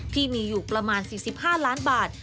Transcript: ที่มีอยู่ประมาณ๔๕ล้านบาท